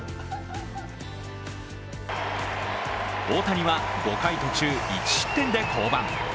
大谷は５回途中１失点で降板。